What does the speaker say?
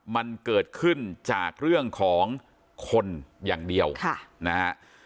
มันเกิดขึ้นจากเรื่องของคนอย่างเดียวนะฮะ